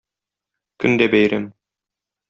Көн дә бәйрәм.